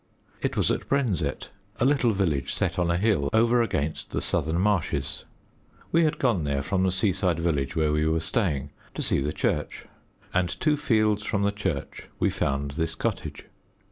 It was at Brenzett a little village set on a hill over against the southern marshes. We had gone there, from the seaside village where we were staying, to see the church, and two fields from the church we found this cottage.